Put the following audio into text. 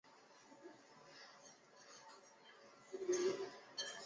这是我的最后一句话